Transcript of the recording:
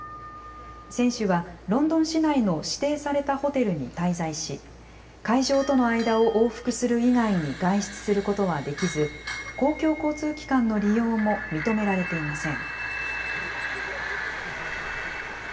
選手はロンドン市内の指定されたホテルに滞在し、会場との間を往復する以外に外出することはできず、公共交通機関の利用も認められていません。